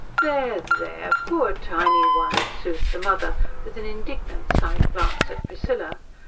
"There, there, poor tiny one," soothed the mother, with an indignant side glance at Priscilla.